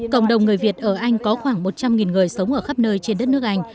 cộng đồng người việt ở anh có khoảng một trăm linh người sống ở khắp nơi trên đất nước anh